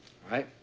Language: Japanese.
はい。